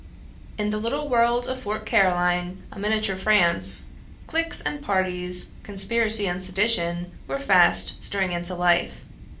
In the little world of Fort Caroline, a miniature France, cliques and parties, conspiracy and sedition, were fast stirring into life.